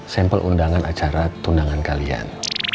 sampel undangan acara tunangan kalian